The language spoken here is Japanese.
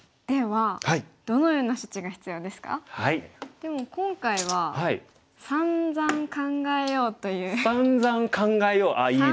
でも今回は「さんざん考えよう！」ああいいですね。